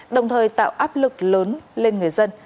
đồng thời tạo áp lực lớn lên người dân